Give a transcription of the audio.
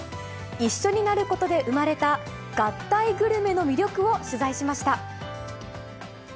一緒になることで生まれた合体グルメの魅力を取材しました。